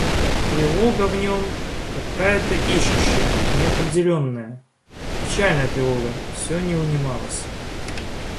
Тревога в нем, какая-то ищущая, неопределенная, печальная тревога, все не унималась.